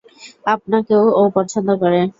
আপনাকে ও পছন্দ করে।